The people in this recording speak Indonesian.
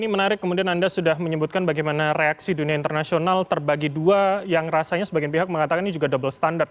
ini menarik kemudian anda sudah menyebutkan bagaimana reaksi dunia internasional terbagi dua yang rasanya sebagian pihak mengatakan ini juga double standard